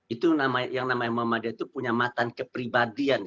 itu yang namanya muhammadiyah itu punya matan kepribadian